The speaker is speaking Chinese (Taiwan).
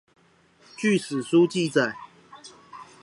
據史書記載